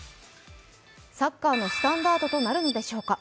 サッカーのスタンダードとなるのでしょうか？